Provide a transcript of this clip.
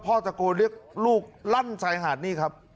พ่อตะโกนเรียกลูกลั่นชายหาดนี่ครับ